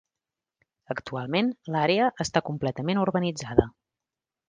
Actualment l'àrea està completament urbanitzada.